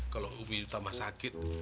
kalau umi tambah sakit